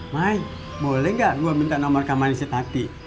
mai boleh gak gue minta nomor kabar istri tati